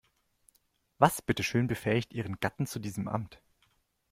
Was bitteschön befähigt ihren Gatten zu diesem Amt?